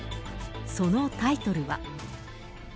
そのタイトルは。